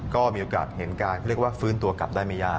ก็มีโอกาสเห็นการฟื้นตัวกลับได้ไม่ยาก